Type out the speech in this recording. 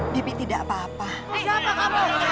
bibi tidak apa apa